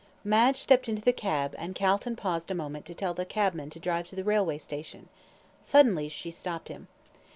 Madge stepped into the cab, and Calton paused a moment to tell the cabman to drive to the railway station. Suddenly she stopped him.